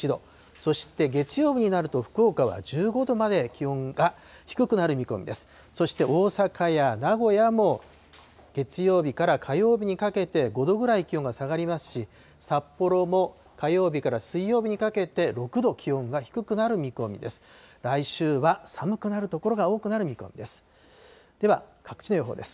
そして大阪や名古屋も月曜日から火曜日にかけて５度くらい気温が下がりますし、札幌も火曜日から水曜日にかけて、６度気温が低くなる見込みです。